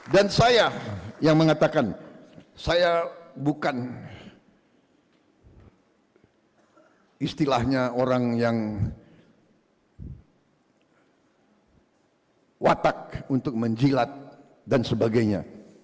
dan saya yang mengatakan saya bukan istilahnya orang yang watak untuk menjilat dan sebagainya